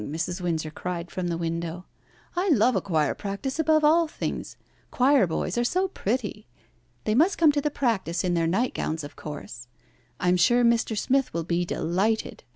Mrs. Windsor cried from the window. "I love a choir practice above all things. Choir boys are so pretty. They must come to the practice in their nightgowns, of course. I am sure Mr. Smith will be delighted.